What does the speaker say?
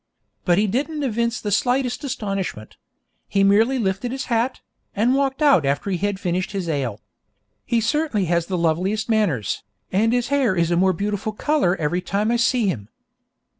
But he didn't evince the slightest astonishment; he merely lifted his hat, and walked out after he had finished his ale. He certainly has the loveliest manners, and his hair is a more beautiful colour every time I see him.